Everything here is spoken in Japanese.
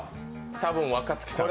多分、若槻さん。